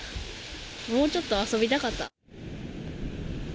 もうちょっと遊びたかった。